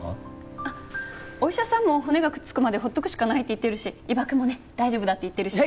お医者さんも骨がくっつくまで放っておくしかないって言ってるし伊庭くんもね大丈夫だって言ってるし。